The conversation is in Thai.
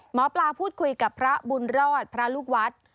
หมอปลาพูดคุยกับพระบุญรอดพระลูกวัด